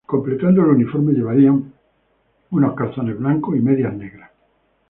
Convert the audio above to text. Completando el uniforme llevarían unos calzones blancos y medias negras.